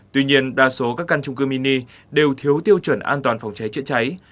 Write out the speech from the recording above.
tuy nhiên đa số các căn trung cư mini đều thiếu tiêu chuẩn an toàn phòng cháy chữa cháy